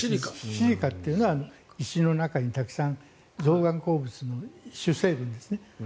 シリカというのは石の中にたくさん造岩鉱物の主成分ですね。